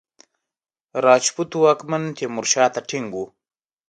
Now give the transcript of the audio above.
راجپوتو واکمن تیمورشاه ته ټینګ وو.